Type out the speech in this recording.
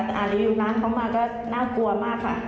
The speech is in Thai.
แต่อ่านรีวิวร้านเขามาก็น่ากลัวมากค่ะ